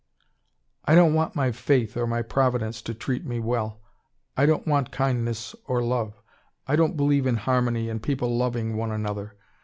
"I don't want my Fate or my Providence to treat me well. I don't want kindness or love. I don't believe in harmony and people loving one another.